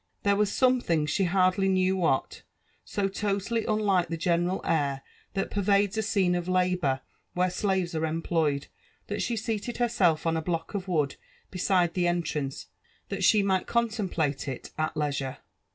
There was something, she hardly knew what, so totally unlike the generaHv air that pervades a scene 6f labour wher» slates are employed, that she seated herself on a bk^k of wtfoA be side the entrance, that she might contemplate it at leisure.